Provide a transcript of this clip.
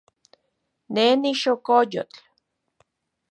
Ne nixokoyotl.